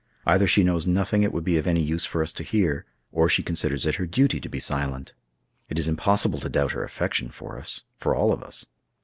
Either she knows nothing it would be of any use for us to hear, or she considers it her duty to be silent. It is impossible to doubt her affection for us—for all of us.